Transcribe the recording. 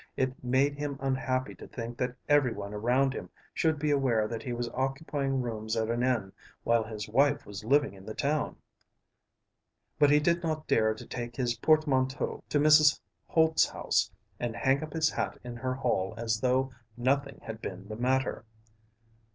It made him unhappy to think that everyone around him should be aware that he was occupying rooms at an inn while his wife was living in the town; but he did not dare to take his portmanteau to Mrs. Holt's house and hang up his hat in her hall as though nothing had been the matter.